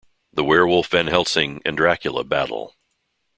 The werewolf Van Helsing and Dracula battle.